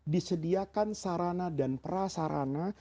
disediakan sarana dan prasarana